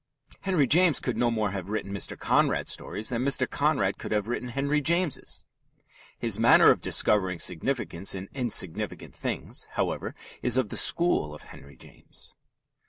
Henry James could no more have written Mr. Conrad's stories than Mr. Conrad could have written Henry James's. His manner of discovering significance in insignificant things, however, is of the school of Henry James.